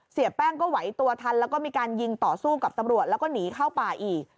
เสียแป้งก็ไหวตัวทันแล้วก็มีการยิงต่อสู้กับตำรวจแล้วก็หนีเข้าป่าอีก